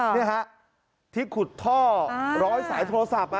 นี่ฮะที่ขุดท่อร้อยสายโทรศัพท์